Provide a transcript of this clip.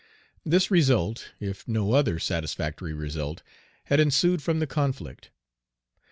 This result, if no other satisfactory result, had ensued from the conflict.